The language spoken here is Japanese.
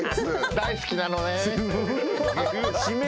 大好きなのねん。